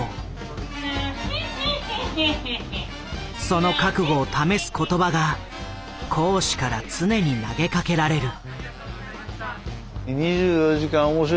その覚悟を試す言葉が講師から常に投げかけられる。